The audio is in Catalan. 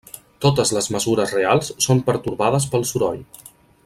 Totes les mesures reals són pertorbades pel soroll.